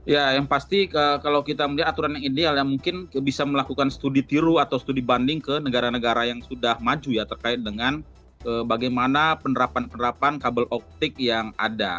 ya yang pasti kalau kita melihat aturan yang ideal yang mungkin bisa melakukan studi tiru atau studi banding ke negara negara yang sudah maju ya terkait dengan bagaimana penerapan penerapan kabel optik yang ada